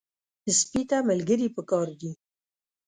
سپي ته ملګري پکار دي.